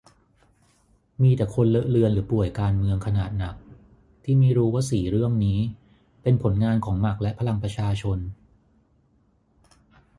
มีแต่คนเลอะเลือนหรือป่วยการเมืองขนาดหนัก ที่ไม่รู้ว่าสี่เรื่องนี้เป็นผลงานของหมักและพลังประชาชน